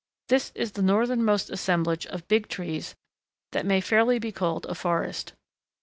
This is the northernmost assemblage of Big Trees that may fairly be called a forest.